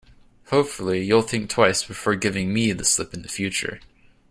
Hopefully, you'll think twice before giving me the slip in future.